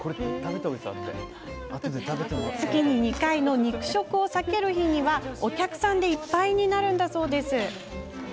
月に２回の肉食を避ける日にはお客さんでいっぱいになるそうなんです。